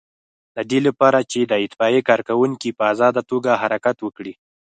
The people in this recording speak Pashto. د دې لپاره چې د اطفائیې کارکوونکي په آزاده توګه حرکت وکړي.